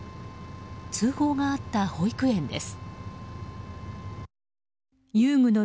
通報があった保育園です。